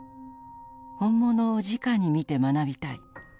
「本物をじかに見て学びたい」。